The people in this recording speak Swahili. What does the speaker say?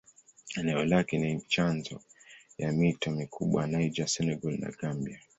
Eneo lake ni chanzo ya mito mikubwa ya Niger, Senegal na Gambia.